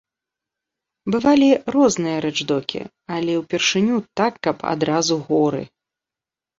Бывалі розныя рэчдокі, але ўпершыню так, каб адразу горы!